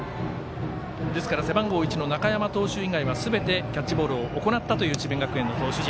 ですから、背番号１の中山投手以外はすべてキャッチボールを行ったという智弁学園の投手陣。